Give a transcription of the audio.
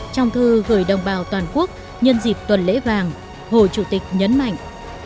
trong thư gửi đồng bào toàn quốc nhân dịp tuần lễ vàng hồ chủ tịch nhấn mạnh